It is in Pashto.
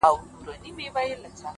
مړ به دي کړې داسې مه کوه”